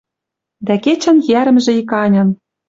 Дӓ кечӹн йӓрӹмжӹ иканьын